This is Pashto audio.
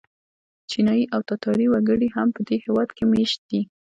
چینایي او تاتاري وګړي هم په دې هېواد کې مېشت دي.